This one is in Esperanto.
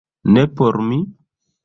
Ne por mi?